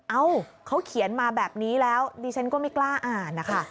เอ้าเขาเขียนมาแบบนี้แล้วดิฉันก็ไม่กล้าอ่านนะคะ